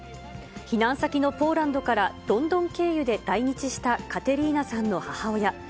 避難先のポーランドから、ロンドン経由で来日したカテリーナさんの母親。